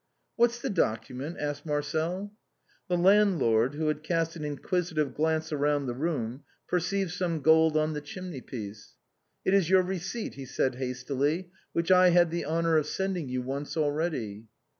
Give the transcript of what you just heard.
" What's the document ?" asked Marcel. The landlord, who had cast an inquisitive glance around the room, perceived some gold on the chimney piece. " It is your receipt," he said, hastily, " which I had the honor of sending you once already."